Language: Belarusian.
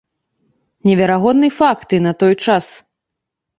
Неверагодны факт і на той час.